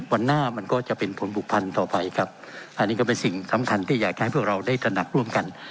วันหน้ามันก็จะเป็นผลผูกพันต่อไปครับอันนี้ก็เป็นสิ่งสำคัญที่อยากจะให้พวกเราได้ตระหนักร่วมกัน